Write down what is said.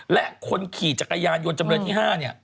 และคนขี่จักรยานยนต์จำเลยที่๕เนี่ย